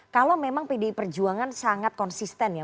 kalau memang pdi perjuangan sangat konsisten ya